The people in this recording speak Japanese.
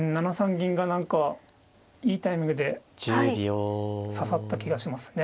銀が何かいいタイミングで刺さった気がしますね。